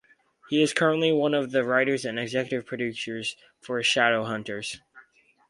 He is currently one of the writers and executive producers for Shadowhunters.